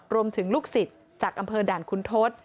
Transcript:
รวมถึงลูกศิษฐ์จากอำเภอด่านคุณทศ